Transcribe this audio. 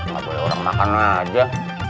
nggak boleh orang makan aja